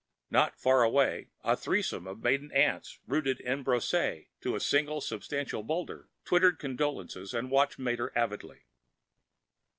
Not far away, a threesome of maiden aunts, rooted en brosse to a single substantial boulder, twittered condolences and watched Mater avidly.